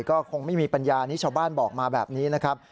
ก็คงไม่มีปัญญานี้ชาวบ้านบอกมาแบบนี้นะครับ